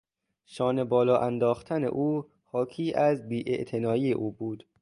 شانه بالا انداختن او حاکی از بیاعتنایی او بود.